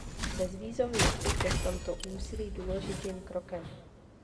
Bezvízový styk je v tomto úsilí důležitým krokem.